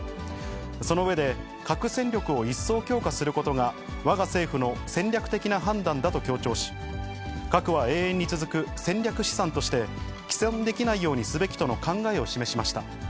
その上で、核戦力を一層強化することがわが政府の戦略的な判断だと強調し、核は永遠に続く戦略資産として、毀損できないようにすべきとの考えを示しました。